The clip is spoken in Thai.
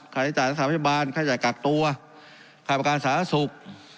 ค่าใช้จ่ายสถานพยาบาลค่าใช้จ่ายกากตัวค่าประการสาธารณสุข